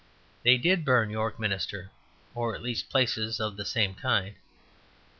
They did burn York Minster, or at least, places of the same kind.